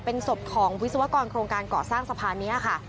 เป็นศพของวิศวกรโครงการก่อสร้างสะพานนี้ค่ะ